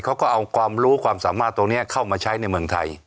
เขาก็เอาความรู้ความสามารถตรงนี้เข้ามาใช้ในเมืองไทย